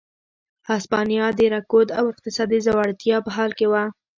هسپانیا د رکود او اقتصادي ځوړتیا په حال کې وه.